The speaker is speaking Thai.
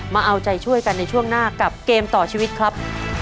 มาเอาใจช่วยกันในช่วงหน้ากับเกมต่อชีวิตครับ